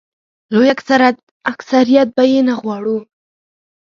لوی اکثریت به یې نه غواړي.